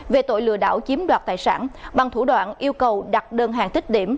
về tội lừa đảo chiếm đoạt tài sản bằng thủ đoạn yêu cầu đặt đơn hàng tích điểm